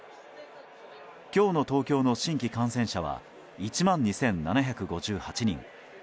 今日の東京の新規感染者は１万２７５８人。